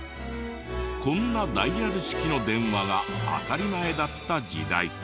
こんなダイヤル式の電話が当たり前だった時代。